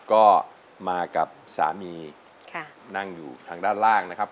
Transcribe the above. ก็มากับสามีนั่งอยู่ทางด้านล่างนะครับ